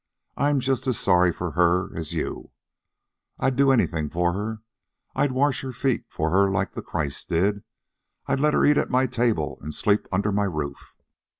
I'm just as sorry for her as you. I'd do anything for her. I'd wash her feet for her like Christ did. I'd let her eat at my table, an' sleep under my roof.